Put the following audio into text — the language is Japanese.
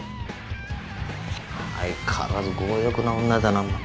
相変わらず強欲な女だなホントに。